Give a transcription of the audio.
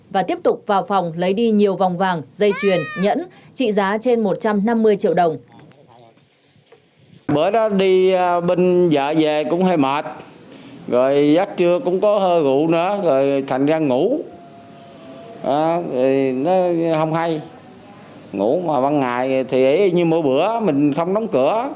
vào phòng lấy đi nhiều vòng vàng dây chuyền nhẫn trị giá trên một trăm năm mươi triệu đồng